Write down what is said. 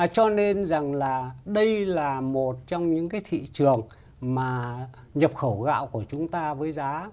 cho nên rằng là đây là một trong những cái thị trường mà nhập khẩu gạo của chúng ta với giá